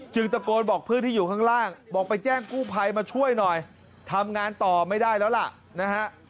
ตะโกนบอกเพื่อนที่อยู่ข้างล่างบอกไปแจ้งกู้ภัยมาช่วยหน่อยทำงานต่อไม่ได้แล้วล่ะนะฮะ